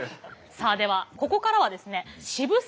さあではここからはですね渋沢